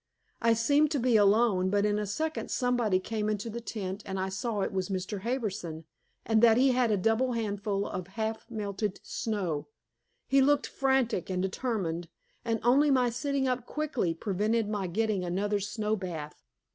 I seemed to be alone, but in a second somebody came into the tent, and I saw it was Mr. Harbison, and that he had a double handful of half melted snow. He looked frantic and determined, and only my sitting up quickly prevented my getting another snow bath.